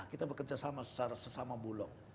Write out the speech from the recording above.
kita bekerja sama sesama bulog